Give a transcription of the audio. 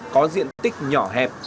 có diện tích nhỏ hẹp